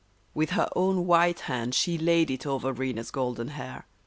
With her own white hand she laid it over Rena's golden hair.